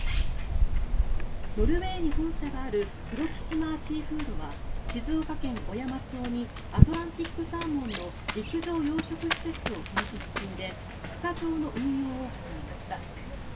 ノルウェーに本社があるプロキシマーシーフードは静岡県小山町にアトランティックサーモンの陸上養殖施設を建設中でふ化場の運用を始めました。